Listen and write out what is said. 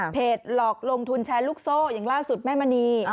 หลอกลงทุนแชร์ลูกโซ่อย่างล่าสุดแม่มณี